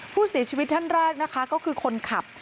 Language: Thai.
ผู้เสียชีวิตท่านแรกนะคะก็คือคนขับ